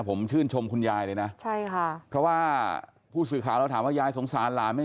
ผมชื่นชมคุณยายเลยนะใช่ค่ะเพราะว่าผู้สื่อข่าวเราถามว่ายายสงสารหลานไหม